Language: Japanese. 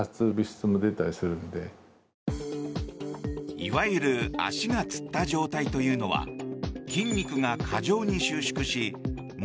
いわゆる足がつった状態というのは筋肉が過剰に収縮し元